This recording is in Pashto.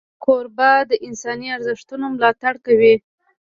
کوربه د انساني ارزښتونو ملاتړ کوي.